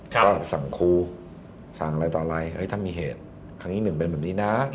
ก็สั่งครูสั่งอะไรต่ออะไรถ้ามีเหตุครั้งนี้หนึ่งเป็นแบบนี้นะ